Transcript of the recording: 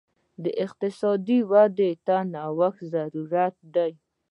د اقتصاد ودې ته نوښت ضروري دی.